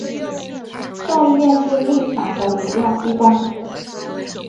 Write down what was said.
众议院是立法的主要机关。